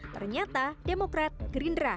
ternyata demokrat gerindra